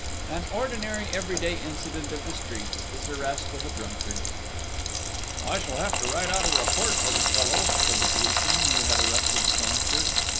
An ordinary every day incident of the streets, this arrest of a drunkard! "I shall have to write out a report for this fellow!" said the policeman, who had arrested the songster...